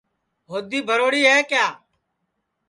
ہودی بھروڑی ہے کِیا